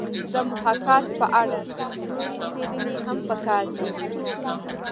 د محاکات په اړه نورې څېړنې هم پکار دي